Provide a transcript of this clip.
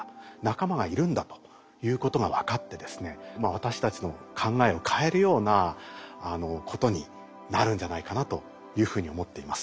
私たち生命私たちの考えを変えるようなことになるんじゃないかなというふうに思っています。